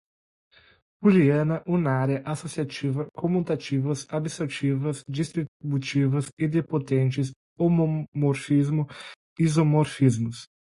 booleana, unária, associativas, comutativas, absortivas, distributivas, idempotentes, homomorfismo, isomorfismos